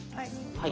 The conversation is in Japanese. はい。